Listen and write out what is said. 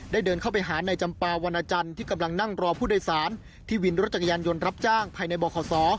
เดินเข้าไปหาในจำปาวันอาจันทร์ที่กำลังนั่งรอผู้โดยสารที่วินรถจักรยานยนต์รับจ้างภายในบข